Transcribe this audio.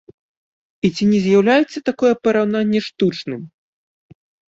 І ці не з'яўляецца такое параўнанне штучным?